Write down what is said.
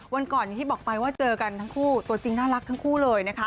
วันก่อนอย่างที่บอกไปว่าเจอกันทั้งคู่ตัวจริงน่ารักทั้งคู่เลยนะคะ